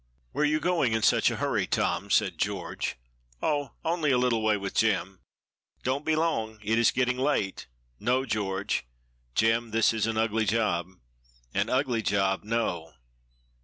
"Where are you going in such a hurry, Tom?" said George. "Oh, only a little way with Jem." "Don't be long, it is getting late." "No, George!" "Jem, this is an ugly job!" "An ugly job, no!